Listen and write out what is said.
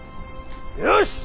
よし！